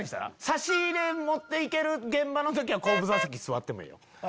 差し入れ持って行ける現場の時は後部座席座ってもええよ。